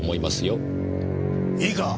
いいか？